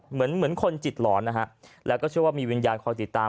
เหมือนเหมือนคนจิตหลอนนะฮะแล้วก็เชื่อว่ามีวิญญาณคอยติดตาม